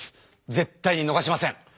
絶対にのがしません！